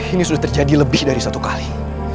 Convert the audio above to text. ini sudah terjadi lebih dari satu kali